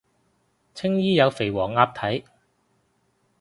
青衣有肥黃鴨睇